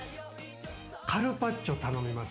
カルパッチョ頼みます。